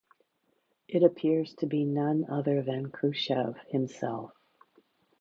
It appears to be none other than Khrushchev himself.